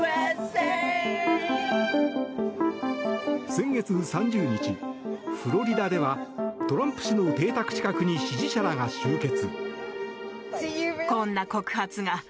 先月３０日、フロリダではトランプ氏の邸宅近くに支持者らが集結。